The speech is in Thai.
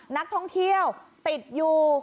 นักท่องเที่ยวติดอยู่